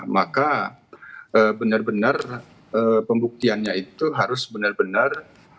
maka benar benar pembuktiannya itu harus benar benar